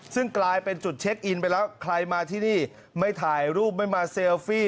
ซึ่งกลายเป็นจุดเช็คอินไปแล้วใครมาที่นี่ไม่ถ่ายรูปไม่มาเซลฟี่